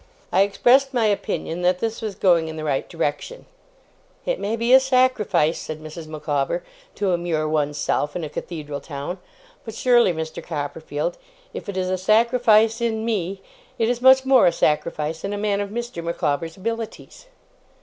I expressed my opinion that this was going in the right direction. 'It may be a sacrifice,' said Mrs. Micawber, 'to immure one's self in a Cathedral town; but surely, Mr. Copperfield, if it is a sacrifice in me, it is much more a sacrifice in a man of Mr. Micawber's abilities.